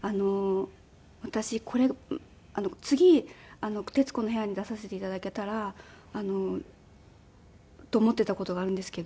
私次『徹子の部屋』に出させて頂けたらと思っていた事があるんですけど。